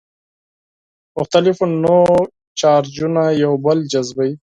مختلف النوع چارجونه یو بل جذبوي.